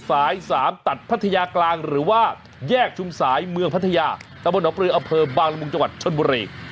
สาย๓ตัดพัทยากลางหรือว่าแยกชุมสายเมืองพัทยาตะบนหนองปลืออำเภอบางละมุงจังหวัดชนบุรี